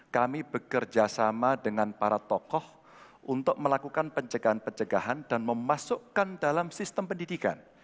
kami bekerja sama dengan para tokoh untuk melakukan pencegahan pencegahan dan memasukkan dalam sistem pendidikan